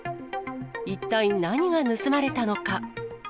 一体何が盗まれたのか。